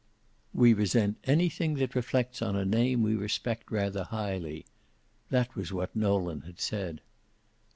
"We resent anything that reflects on a name we respect rather highly." That was what Nolan had said.